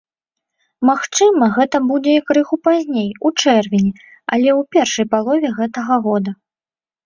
Магчыма, гэта будзе і крыху пазней, у чэрвені, але ў першай палове гэтага года.